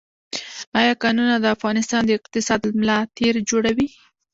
آیا کانونه د افغانستان د اقتصاد ملا تیر جوړوي؟